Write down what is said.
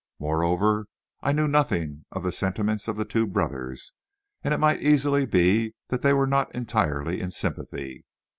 Moreover, I knew nothing of the sentiments of the two brothers, and it might easily be that they were not entirely in sympathy.